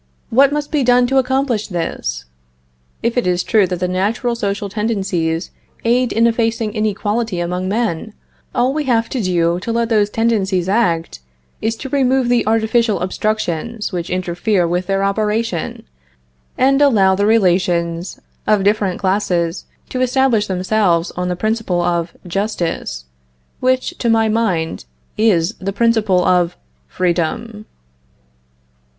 What must be done to accomplish this? If it is true that the natural social tendencies aid in effacing inequality among men, all we have to do to let those tendencies act is to remove the artificial obstructions which interfere with their operation, and allow the relations of different classes to establish themselves on the principle of justice, which, to my mind, is the principle of FREEDOM.